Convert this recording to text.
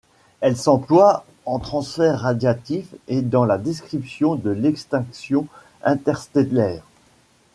Elle s'emploie en transfert radiatif et dans la description de l'extinction interstellaire.